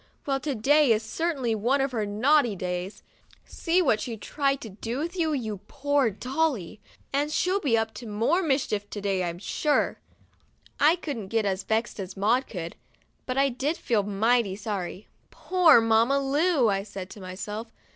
Well, to day is certainly one of her naughty days. See what she tried to do to you, you poor Dolly. And she'll be up to more mischief to day, I'm sure." I couldn't get as vexed as Maud could, but I did feel mighty sorry. "Poor Mamma Lu!" I said to myself.